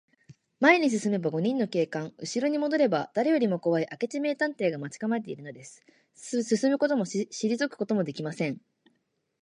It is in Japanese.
前に進めば五人の警官、うしろにもどれば、だれよりもこわい明智名探偵が待ちかまえているのです。進むこともしりぞくこともできません。